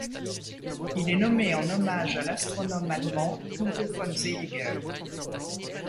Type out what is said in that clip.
Il est nommé en hommage à l'astronome allemand Hugo von Seeliger.